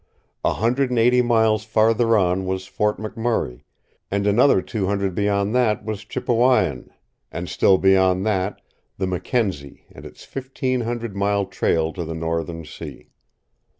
A hundred and eighty miles farther on was Fort McMurray, and another two hundred beyond that was Chipewyan, and still beyond that the Mackenzie and its fifteen hundred mile trail to the northern sea.